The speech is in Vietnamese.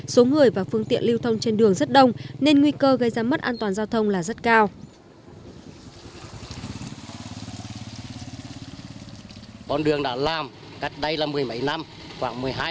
số người và phương tiện lưu thông trên đường rất đông nên nguy cơ gây ra mất an toàn giao thông là rất cao